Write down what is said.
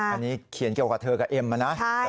อันนี้เขียนเกี่ยวกับเธอกับเอ็มนะ